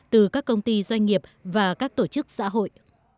từ các công ty doanh nghiệp và các tổ chức xã hội